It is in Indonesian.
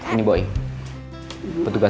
ini bu rosa ibunya paal